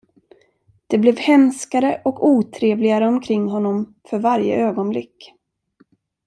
Det blev hemskare och otrevligare omkring honom för varje ögonblick.